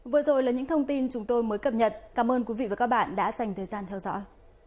vừa rồi là những thông tin chúng tôi mới cập nhật cảm ơn quý vị và các bạn đã dành thời gian theo dõi